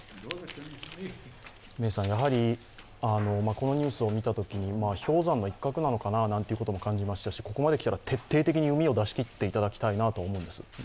このニュースを見たときに、氷山の一角なのかなと感じましたし、ここまできたら徹底的にうみを出し切ってもらいたいなとも思うんです。